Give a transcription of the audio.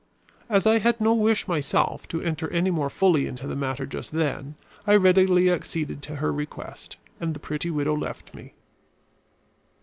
As I had no wish, myself, to enter any more fully into the matter just then, I readily acceded to her request, and the pretty widow left me.